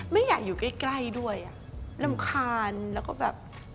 ไม่อยากอยู่ใกล้ใกล้ด้วยอ่ะรำคาญแล้วก็แบบ